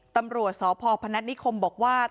ตำรวจสพพนัฐนิคมบอกว่า